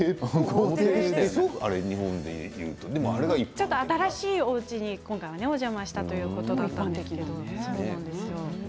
ちょっと新しいおうちに今回お邪魔したということなんですけれどね。